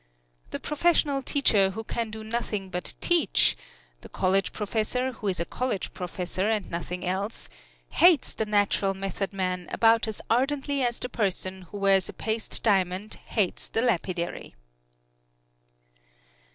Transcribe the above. The professional teacher who can do nothing but teach the college professor who is a college professor and nothing else hates the Natural Method man about as ardently as the person who wears a paste diamond hates the lapidary.